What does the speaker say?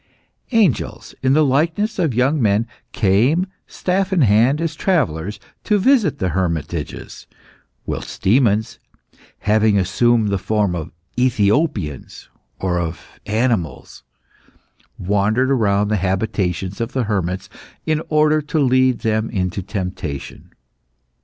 Angels in the likeness of young men, came, staff in hand, as travellers, to visit the hermitages; whilst demons having assumed the form of Ethiopians or of animals wandered round the habitations of the hermits in order to lead them into temptation.